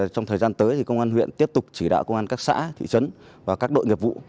trong thời gian tới công an huyện tiếp tục chỉ đạo công an các xã thị trấn và các đội nghiệp vụ